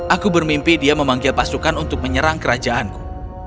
aku bermimpi dia memanggil pasukan untuk menyerang kerajaanku